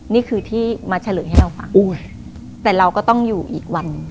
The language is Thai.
นี่คือที่มาเฉลยให้เราฟังแต่เราก็ต้องอยู่อีกวัน